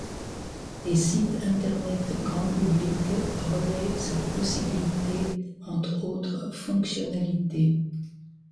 Des sites internet grand public relaient cette possibilité entre autres fonctionnalités.